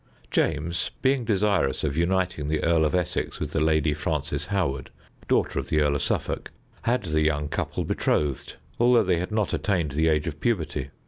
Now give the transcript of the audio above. James, being desirous of uniting the Earl of Essex with the Lady Frances Howard, daughter of the Earl of Suffolk, had the young couple betrothed, although they had not attained the age of puberty.